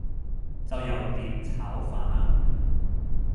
走油點炒飯呀？